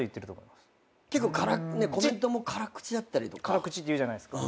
辛口って言うじゃないですか。